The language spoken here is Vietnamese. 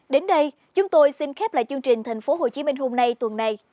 đến đây chúng tôi xin khép lại chương trình tp hcm hôm nay tuần này